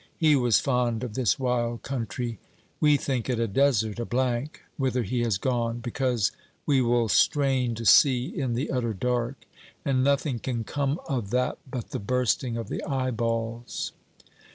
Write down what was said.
He was fond of this wild country. We think it a desert, a blank, whither he has gone, because we will strain to see in the utter dark, and nothing can come of that but the bursting of the eyeballs.'